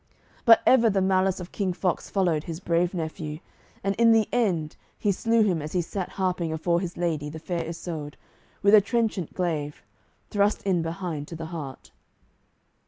But ever the malice of King Fox followed his brave nephew, and in the end he slew him as he sat harping afore his lady, the Fair Isoud, with a trenchant glaive, thrust in behind to the heart.